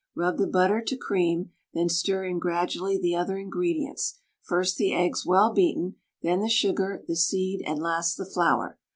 Rub the butter to cream, then stir in gradually the other ingredients, first the eggs well beaten, then the sugar, the seed, and last the flour.